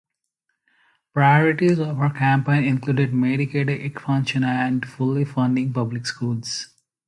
Priorities of her campaign included Medicaid expansion and fully funding public schools.